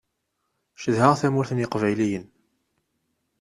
Cedhaɣ tamurt n yiqbayliyen.